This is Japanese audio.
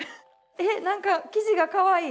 え何か生地がかわいい。